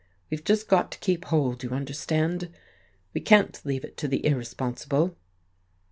We've just got to keep hold, you understand we can't leave it to the irresponsible."